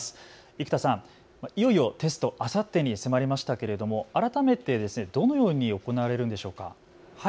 生田さん、いよいよテスト、あさってに迫りましたけれども改めて、どのように行われるんでしょうか。